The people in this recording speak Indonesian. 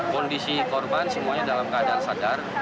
kondisi korban semuanya dalam keadaan sadar